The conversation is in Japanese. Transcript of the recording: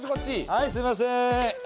はいすみません。